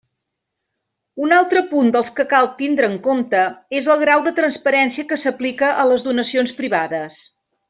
Un altre dels punts que cal tindre en compte és el grau de transparència que s'aplica a les donacions privades.